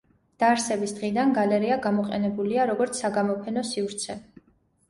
დაარსების დღიდან გალერეა გამოყენებულია, როგორც საგამოფენო სივრცე.